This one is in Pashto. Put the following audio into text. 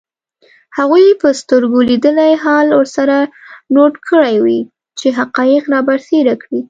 هغوی به سترګو لیدلی حال ورسره نوټ کړی وي چي حقایق رابرسېره کړي